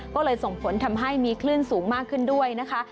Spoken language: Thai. ก็เลยส่งผลทำให้มีคลื่นสูงมากขึ้นด้วยนะคะ